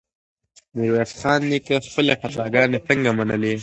ميرويس خان نيکه خپلې خطاګانې څنګه منلې؟